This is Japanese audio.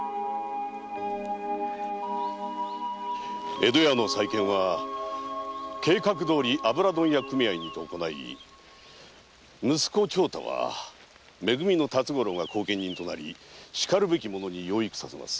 江戸屋の再建は計画どおり油問屋組合にて行い息子・長太はめ組の辰五郎が後見人となりしかるべき者に養育させます。